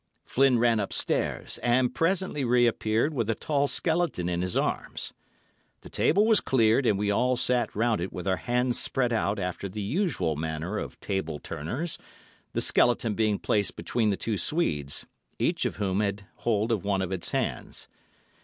Flynn ran upstairs, and presently reappeared with a tall skeleton in his arms. The table was cleared, and we all sat round it with our hands spread out after the usual manner of table turners, the skeleton being placed between the two Swedes, each of whom had hold of one of its hands.